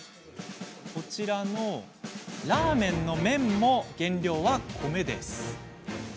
こちらのラーメンの麺も原料は米です。